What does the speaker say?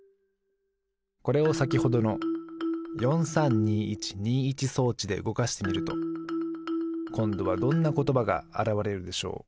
これをさきほどの４３２１２１装置でうごかしてみるとこんどはどんなことばがあらわれるでしょう？